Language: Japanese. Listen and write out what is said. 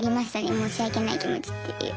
申し訳ない気持ちっていうか。